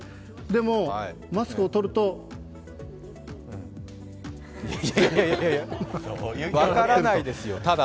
でも、マスクをとるといやいや、分からないですよ